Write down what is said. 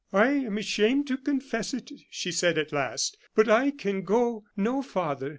"I am ashamed to confess it," she said at last, "but I can go no farther.